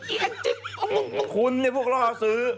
ไอ้แอ้งจี้เพราะคุณนี่มันพวกเราหาซื้อ